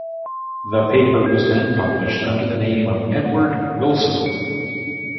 The paper was then published under the name of Edward Wilson.